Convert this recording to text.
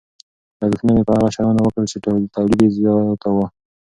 لګښتونه مې په هغو شیانو وکړل چې تولید یې زیاتاوه.